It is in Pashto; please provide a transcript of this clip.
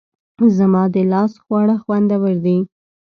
زما د لاس خواړه خوندور دي